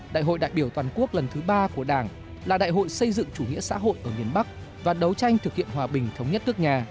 đại hội đại biểu toàn quốc lần thứ ba của đảng là đại hội xây dựng chủ nghĩa xã hội ở miền bắc và đấu tranh thực hiện hòa bình thống nhất nước nhà